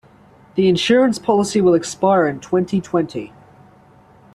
The insurance policy will expire in twenty-twenty.